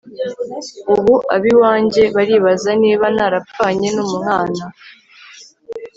ubu ab'iwanjye baribaza niba narapfanye n'umwana